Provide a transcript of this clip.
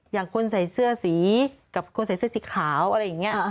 อย่างคนใส่เสื้อสีกับคนใส่เสื้อสีขาวอะไรอย่างนี้